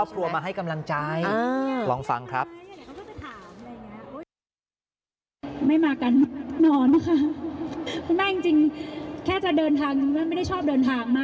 ไปด้วยกันครับที่น้องขอบคุณค่ะสวัสดีค่ะ